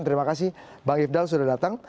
terima kasih bang ifdal sudah datang